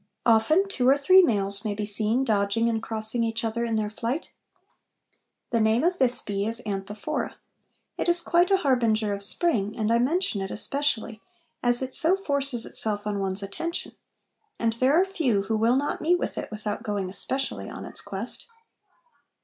Often two or three males may be seen dodging and crossing each other in their flight. The name of this bee is Anthophora. It is quite a harbinger of spring, and I mention it especially as it so forces itself on one's attention, and there are few who will not meet with it without going especially on its quest.